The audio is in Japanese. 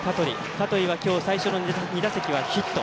香取は今日、最初の打席はヒット。